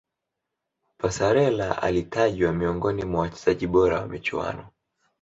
passarella alitajwa miongoni mwa wachezaji bora wa michuano